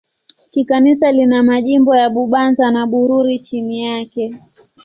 Kikanisa lina majimbo ya Bubanza na Bururi chini yake.